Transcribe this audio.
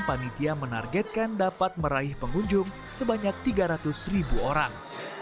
panitia menargetkan dapat meraih pengunjung sebanyak tiga ratus ribu orang